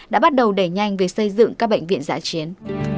đã bắt đầu đẩy nhanh việc xây dựng các bệnh viện giã chiến